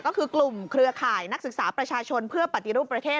ก็คือกลุ่มเครือข่ายนักศึกษาประชาชนเพื่อปฏิรูปประเทศ